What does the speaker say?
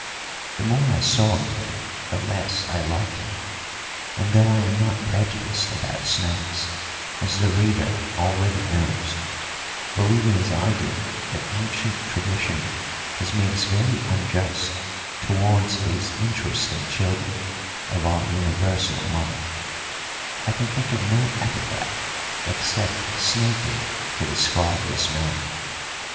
The more I saw of him the less I liked him; and, though I am not prejudiced about snakes, as the reader already knows, believing as I do that ancient tradition has made us very unjust towards these interesting children of our universal mother, I can think of no epithet except snaky to describe this man.